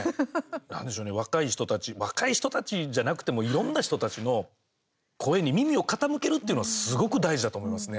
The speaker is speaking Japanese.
なんでしょうね、若い人たち若い人たちじゃなくてもいろんな人たちの声に耳を傾けるっていうのはすごく大事だと思いますね。